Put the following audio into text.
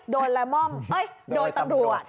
ละม่อมโดนตำรวจ